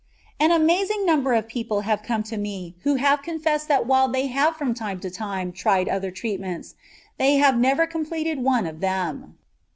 An amazing number of people have come to me who have confessed that while they have from time to time tried other treatments, they have never completed one of them.